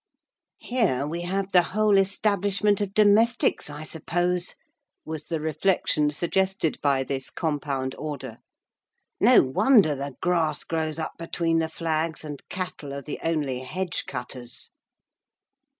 "Here we have the whole establishment of domestics, I suppose," was the reflection suggested by this compound order. "No wonder the grass grows up between the flags, and cattle are the only hedge cutters."